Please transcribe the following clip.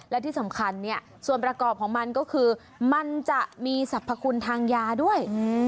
และที่สำคัญเนี่ยส่วนประกอบของมันก็คือมันจะมีสรรพคุณทางยาด้วย